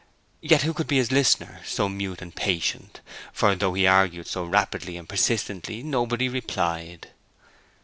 Yet who could be his listener, so mute and patient; for though he argued so rapidly and persistently, nobody replied.